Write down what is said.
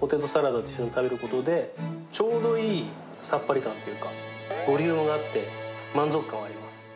ポテトサラダと一緒に食べることで、ちょうどいいさっぱり感っていうか、ボリュームがあって、満足感はあります。